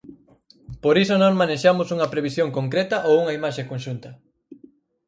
Por iso non manexamos unha previsión concreta ou unha imaxe conxunta.